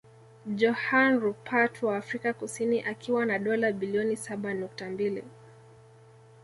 Johann Rupert wa Afrika Kusini akiwa na dola bilioni saba nukta mbili